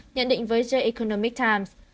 nhận định với the economic times